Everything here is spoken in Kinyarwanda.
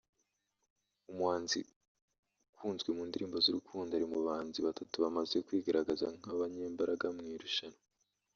umuhanzi ukunzwe mu ndirimbo z’urukundo ari mu bahanzi batatu bamaze kwigaragaza nk’abanyembaraga mu irushanwa